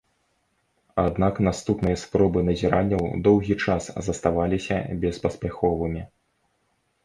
Аднак наступныя спробы назіранняў доўгі час заставаліся беспаспяховымі.